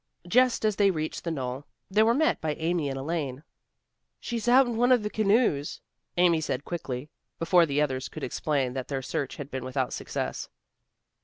Just as they reached the knoll they were met by Amy and Elaine. "She's out in one of the canoes," Amy said quickly, before the others could explain that their search had been without success.